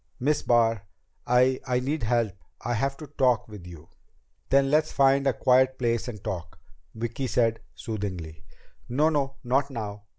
"Miss Barr I I need help. I have to talk with you." "Then let's find a quiet place and talk," Vicki said soothingly. "No, no. Not now."